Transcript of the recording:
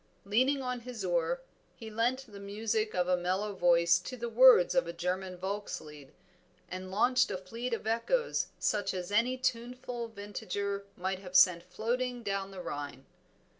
Leaning on his oar he lent the music of a mellow voice to the words of a German Volkslied, and launched a fleet of echoes such as any tuneful vintager might have sent floating down the Rhine.